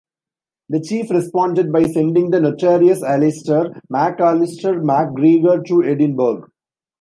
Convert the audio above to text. The chief responded by sending the notorious Alistair MacAllister MacGregor to Edinburgh.